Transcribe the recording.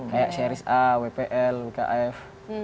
kayak series a wpl wkf